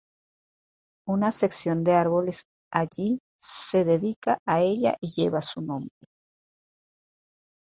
Una sección de árboles allí se dedica a ella y lleva su nombre.